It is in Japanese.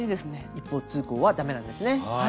一方通行はダメなんですね。